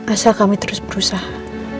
asal kami terus berusaha